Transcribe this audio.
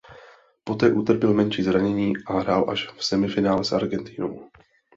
Poté utrpěl menší zranění a hrál až v semifinále s Argentinou.